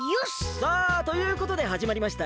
さあということではじまりました